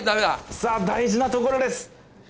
さあ大事なところです。